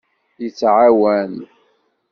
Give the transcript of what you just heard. Yettɛawan.